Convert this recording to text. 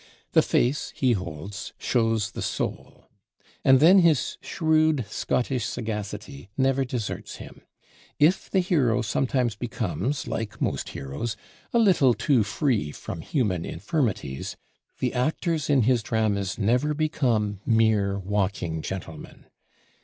The face, he holds, shows the soul. And then his shrewd Scottish sagacity never deserts him. If the hero sometimes becomes, like most heroes, a little too free from human infirmities, the actors in his dramas never become mere walking gentlemen.